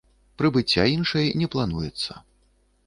Прыбыцця іншай не плануецца.